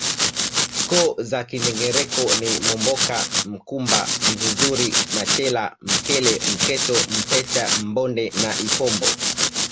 Koo za Kindengereko ni Momboka Mkumba Mzuzuri Machela Mkele Mketo Mpeta Mbonde na Ipombo